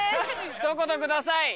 ひと言ください。